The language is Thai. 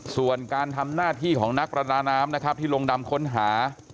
ส่วนการทำหน้าที่ของนักประดาน้ำนะครับที่ลงดำค้นหา